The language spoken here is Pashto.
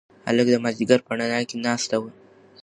هغه د مازیګر په رڼا کې ناسته وه.